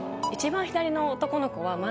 一番左の男の子は。